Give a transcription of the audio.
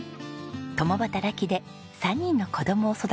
共働きで３人の子供を育てました。